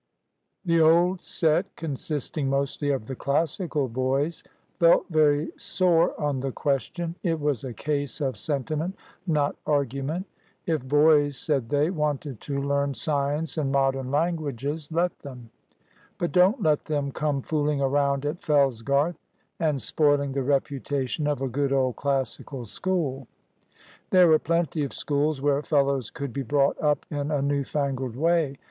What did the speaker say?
The old set, consisting mostly of the Classical boys, felt very sore on the question. It was a case of sentiment, not argument. If boys, said they, wanted to learn science and modern languages, let them; but don't let them come fooling around at Fellsgarth and spoiling the reputation of a good old classical school. There were plenty of schools where fellows could be brought up in a new fangled way.